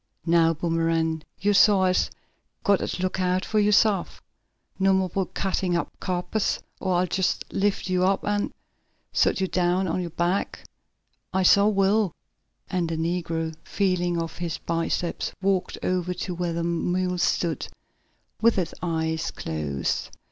Now, Boomerang, yo' suah has got t' look out fo' yo' sef. No mo' ob yo' cuttin' up capers, or I'll jest lift you up, an' sot yo' down on yo' back, I suah will," and the negro feeling of his biceps walked over to where the mule stood, with its eyes closed.